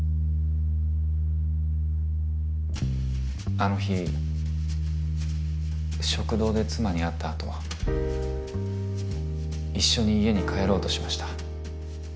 あの日食堂で妻に会ったあと一緒に家に帰ろうとしました。